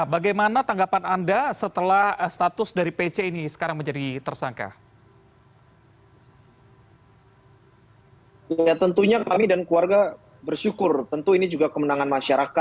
bagaimana tanggapan anda setelah status dari pc ini sekarang menjadi tersangka